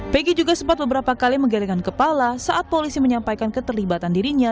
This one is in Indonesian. pg juga sempat beberapa kali menggelengan kepala saat polisi menyampaikan keterlibatan dirinya